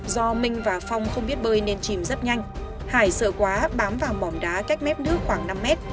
do minh và phong không biết bơi nên chìm rất nhanh hải sợ quá bám vào mỏn đá cách mép nước khoảng năm mét